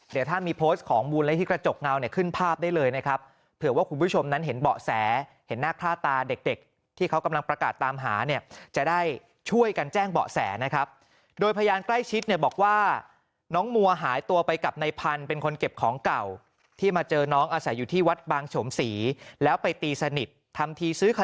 เดี๋ยวถ้ามีโพสต์ของมูลนิธิกระจกเงาเนี่ยขึ้นภาพได้เลยนะครับเผื่อว่าคุณผู้ชมนั้นเห็นเบาะแสเห็นหน้าค่าตาเด็กเด็กที่เขากำลังประกาศตามหาเนี่ยจะได้ช่วยกันแจ้งเบาะแสนะครับโดยพยานใกล้ชิดเนี่ยบอกว่าน้องมัวหายตัวไปกับในพันธุ์เป็นคนเก็บของเก่าที่มาเจอน้องอาศัยอยู่ที่วัดบางโฉมศรีแล้วไปตีสนิททำทีซื้อข